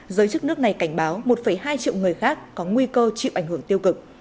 giới chức nước này cảnh báo một hai triệu người khác có nguy cơ chịu ảnh hưởng tiêu cực